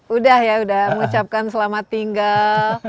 sudah ya sudah mengucapkan selamat tinggal